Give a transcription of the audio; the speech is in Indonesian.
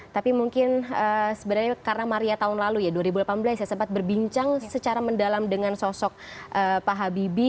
tapi mungkin sebenarnya karena maria tahun lalu ya dua ribu delapan belas ya sempat berbincang secara mendalam dengan sosok pak habibie